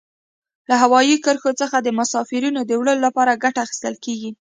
له هوایي کرښو څخه د مسافرینو د وړلو لپاره ګټه اخیستل کیږي.